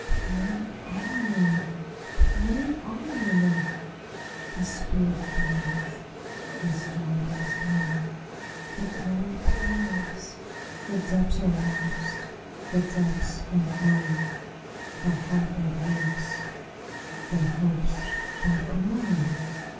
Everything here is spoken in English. Play on! Play on! The spirit fails, The star grows dim, the glory pales, The depths are roused—the depths, and oh! The heart that wakes, the hopes that glow!